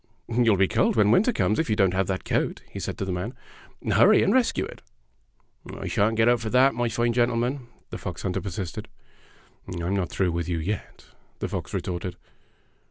"You'll be cold when winter comes if Fairy Tale Foxes 65 you don't have that coat," he said to the man. "Hurry, and rescue it." "I shan't get up for that, my fine gentle man," the fox hunter persisted. "I'm not through with you yet," the fox retorted.